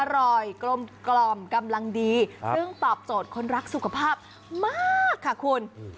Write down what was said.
อร่อยกลมกำลังดีซึ่งตอบโจทย์คนรักสุขภาพมากค่ะคุณ